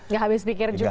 gak habis pikir juga ya